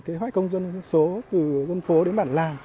kế hoạch công dân dân số từ dân phố đến bản làng